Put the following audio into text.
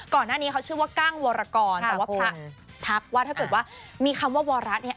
ก่อนหน้านี้เขาชื่อว่ากั้งวรกรแต่ว่าพระทักว่าถ้าเกิดว่ามีคำว่าวรัสเนี่ย